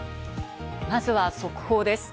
まずは速報です。